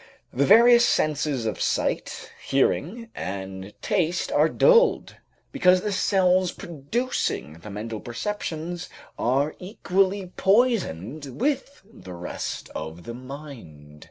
The various senses of sight, hearing and taste are dulled, because the cells producing the mental perceptions are equally poisoned with the rest of the mind.